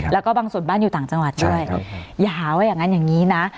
แล้วก็บางส่วนบ้านอยู่ต่างจังหวัดด้วยอย่าหาว่าอย่างนั้นอย่างนี้นะ